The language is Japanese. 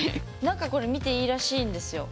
中これ見ていいらしいんですよ。